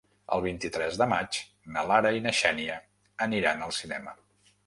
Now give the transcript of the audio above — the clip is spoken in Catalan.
El vint-i-tres de maig na Lara i na Xènia aniran al cinema.